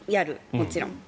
もちろん。